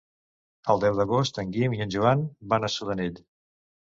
El deu d'agost en Guim i en Joan van a Sudanell.